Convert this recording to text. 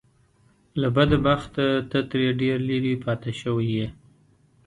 له بده بخته ته ترې ډېر لرې پاتې شوی يې .